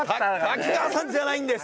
滝川さんじゃないんです。